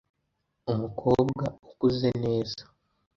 umukobwa ukuze neza